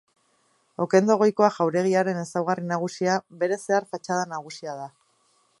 Okendo Goikoa jauregiaren ezaugarri nagusia bere zehar-fatxada nagusia da.